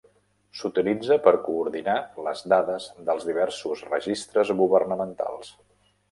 S'utilitza per coordinar les dades dels diversos registres governamentals.